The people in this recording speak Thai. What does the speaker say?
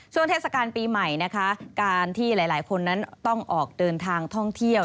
เทศกาลปีใหม่นะคะการที่หลายคนนั้นต้องออกเดินทางท่องเที่ยว